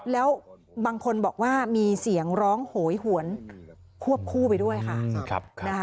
แล้วบางคนบอกว่ามีเสียงร้องโหยหวนควบคู่ไปด้วยค่ะ